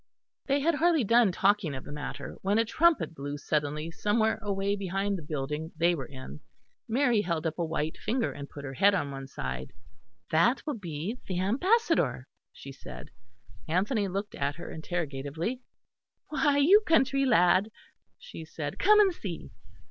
They had hardly done talking of the matter, when a trumpet blew suddenly somewhere away behind the building they were in. Mary held up a white finger and put her head on one side. "That will be the Ambassador," she said. Anthony looked at her interrogatively. "Why, you country lad!" she said, "come and see."